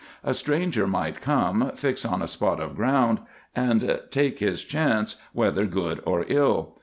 A stranger might come, fix on a spot of ground, and take his chance, whether good or ill.